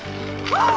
ああ！